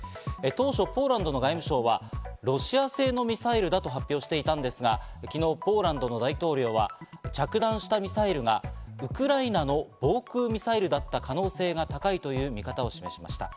当初、ポーランドの外務省はロシア製のミサイルだと発表していたんですが、昨日、ポーランドの大統領は着弾したミサイルがウクライナの防空ミサイルだった可能性が高いという見方を示しました。